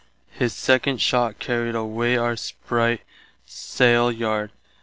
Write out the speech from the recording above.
His second shott carried away our spritt saile yard.